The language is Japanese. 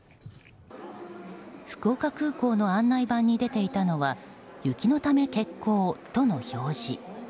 福岡空港の案内板に出ていたのは雪のため欠航との表示。